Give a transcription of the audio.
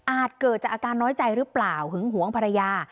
เกิดจากอาการน้อยใจหรือเปล่าหึงหวงภรรยา